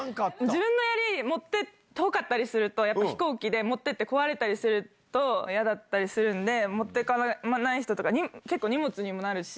自分のやり、持って、遠かったりすると、やっぱ飛行機で持っていって壊れたりすると、嫌だったりするんで、持ってかない人とか、結構、荷物にもなるし。